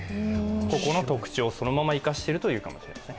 ここの特徴をそのまま生かしているという感じです。